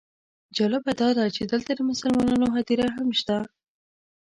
جالبه داده چې دلته د مسلمانانو هدیره هم شته.